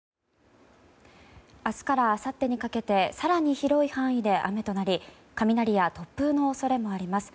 明日からあさってにかけて更に広い範囲で雨となり雷や突風の恐れもあります。